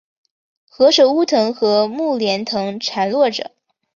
何首乌藤和木莲藤缠络着